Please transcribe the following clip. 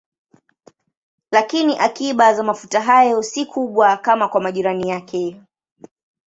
Lakini akiba za mafuta hayo si kubwa kama kwa majirani yake.